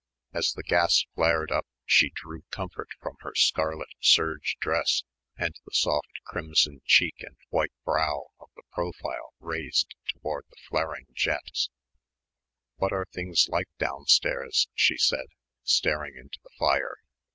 As the gas flared up she drew comfort from her scarlet serge dress, and the soft crimson cheek and white brow of the profile raised towards the flaring jet. "What are things like downstairs?" she said, staring into the fire.